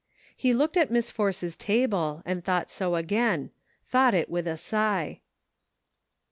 He looked at Miss Force's table, and thought so again ; thought it with a sigh.